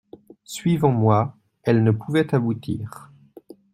Suivant moi, elle ne pouvait aboutir.